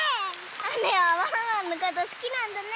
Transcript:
あめはワンワンのことすきなんだね！